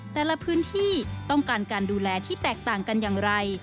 แต่ละพื้นที่ต้องการการดูแลที่แตกต่างกันอย่างไร